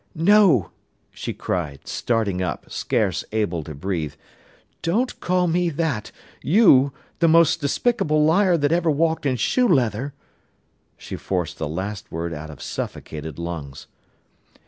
"No," she cried, starting up, scarce able to breathe. "Don't call me that—you, the most despicable liar that ever walked in shoe leather." She forced the last words out of suffocated lungs.